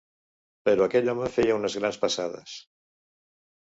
Però aquell home feia unes grans passades.